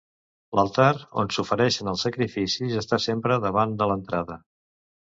L'altar, on s'ofereixen els sacrificis, està sempre davant de l'entrada.